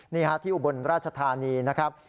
นี่ฮะที่อุบลราชธานีนะครับ